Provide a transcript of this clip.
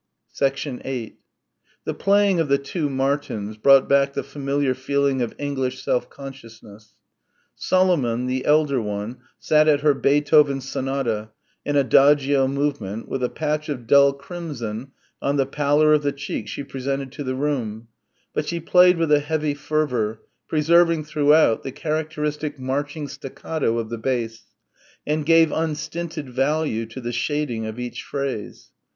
8 The playing of the two Martins brought back the familiar feeling of English self consciousness. Solomon, the elder one, sat at her Beethoven sonata, an adagio movement, with a patch of dull crimson on the pallor of the cheek she presented to the room, but she played with a heavy fervour, preserving throughout the characteristic marching staccato of the bass, and gave unstinted value to the shading of each phrase.